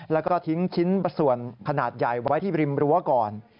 แล้วก็ทิ้งชิ้นส่วนขนาดใหญ่ไว้ที่ริมรั้วก่อน